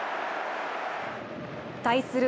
対する